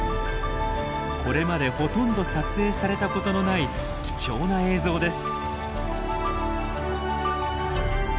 これまでほとんど撮影されたことのない貴重な映像です。